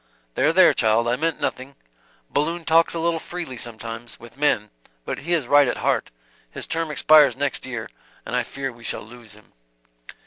"There, there, child. I meant nothing, Balloon talks a little freely sometimes, with men. But he is right at heart. His term expires next year and I fear we shall lose him."